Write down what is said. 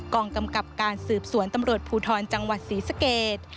กองกำกับการสืบสวนตำรวจภูทรจังหวัดศรีสเกต